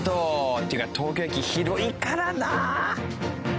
っていうか東京駅広いからな。